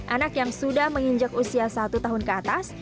anak yang sudah menginjak usia satu tahun ke atas